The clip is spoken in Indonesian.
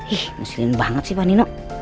ih mesin banget sih pak nino